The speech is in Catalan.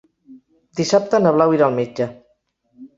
Dissabte na Blau irà al metge.